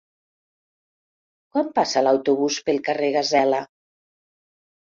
Quan passa l'autobús pel carrer Gasela?